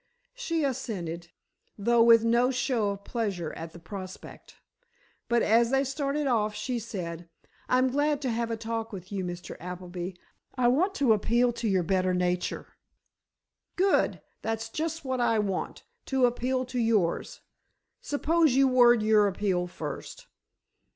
She assented, though with no show of pleasure at the prospect. But as they started off, she said: "I'm glad to have a talk with you, Mr. Appleby. I want to appeal to your better nature." "Good! That's just what I want—to appeal to yours. Suppose you word your appeal first."